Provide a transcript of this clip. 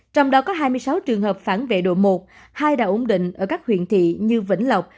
trong đó có hai mươi sáu trường hợp phản vệ độ một hai đã ổn định ở các huyện thị như vĩnh lộc